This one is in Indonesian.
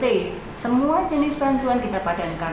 jadi semua jenis bantuan kita padankan